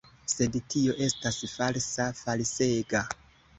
Sed tio estas falsa, falsega.